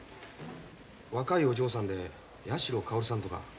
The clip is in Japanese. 若いお嬢さんで矢代かおるさんとか。